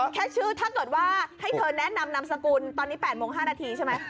แค่ชื่อถ้าตอบว่าให้เติอนุนนำสกุลตอนนี้๘โมง๕นาทีใช่ไหม